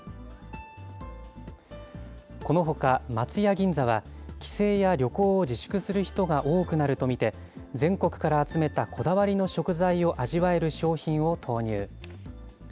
このほか松屋銀座は、帰省や旅行を自粛する人が多くなると見て、全国から集めたこだわりの食材を味わえる商品を投入。